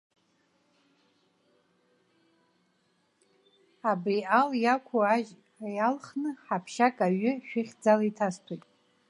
Абри ал иақәу ажь иалхны, ҳаԥшьак аҩы шәыхьӡала иҭасҭәоит.